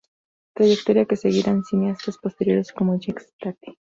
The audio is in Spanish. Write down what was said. Trayectoria que seguirían cineastas posteriores como Jacques Tati.